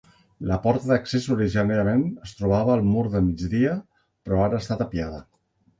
La porta d'accés originàriament es trobava al mur de migdia però ara està tapiada.